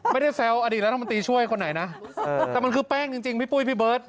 แซวอดีตรัฐมนตรีช่วยคนไหนนะแต่มันคือแป้งจริงพี่ปุ้ยพี่เบิร์ต